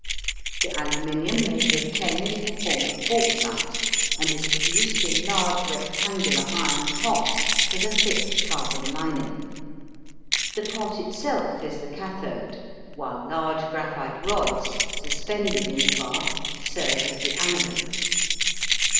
The aluminum may be obtained in the form of bauxite, and is produced in large rectangular iron pots with a thick carbon lining. The pot itself is the cathode, while large graphite rods suspended in the bath serve as the anodes.